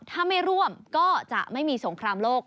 ถ้าไม่ร่วมก็จะไม่มีสงครามโลก